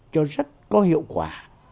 cho rất có hiệu quả